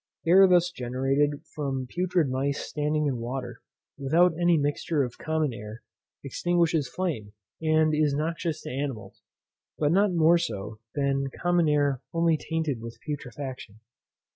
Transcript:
Air thus generated from putrid mice standing in water, without any mixture of common air, extinguishes flame, and is noxious to animals, but not more so than common air only tainted with putrefaction.